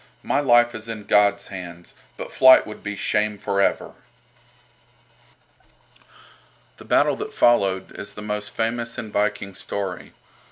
My life is in God's hands, but flight would be shame for ever." The battle that followed is the most famous in Viking story.